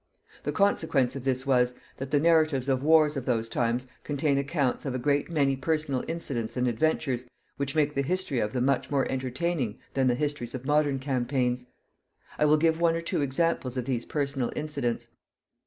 The consequence of this was, that the narratives of wars of those times contain accounts of a great many personal incidents and adventures which make the history of them much more entertaining than the histories of modern campaigns. I will give one or two examples of these personal incidents.